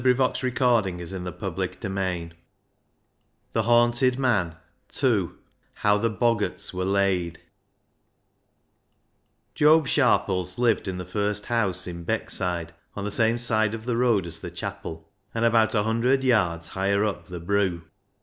The Haunted Man II How the Boggarts were laid 387 The Haunted Man II How the Boggarts were Laid Job Sharples lived in the first house in Beck side, on the same side of the road as the chapel, and about a hundred yards higher up the "broo."